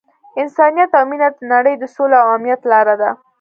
انسانیت او مینه د نړۍ د سولې او امنیت لاره ده.